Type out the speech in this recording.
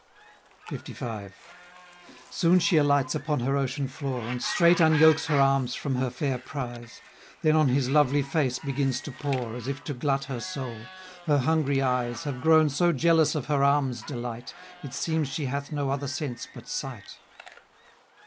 LV. Soon she alights upon her ocean floor, And straight unyokes her arms from her fair prize; Then on his lovely face begins to pore, As if to glut her soul; her hungry eyes Have grown so jealous of her arms' delight; It seems she hath no other sense but sight.